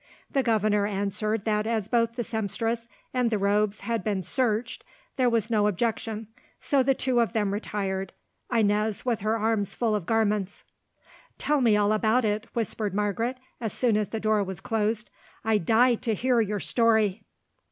The governor answered that as both the sempstress and the robes had been searched, there was no objection, so the two of them retired—Inez, with her arms full of garments. "Tell me all about it," whispered Margaret as soon as the door was closed. "I die to hear your story."